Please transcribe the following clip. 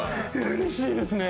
うれしいですね。